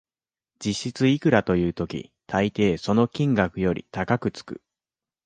実質いくらという時、たいていその金額より高くつく